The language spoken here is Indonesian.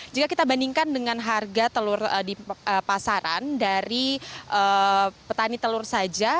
jika kita bandingkan dengan harga telur di pasaran dari petani telur saja